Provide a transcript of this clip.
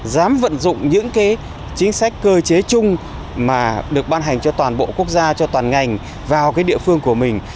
dám vận dụng những cái chính sách cơ chế chung mà được ban hành cho toàn bộ quốc gia cho toàn ngành vào cái địa phương của mình